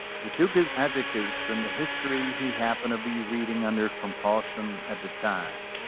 He took his adjectives from the history he happened to be reading (under compulsion) at the time.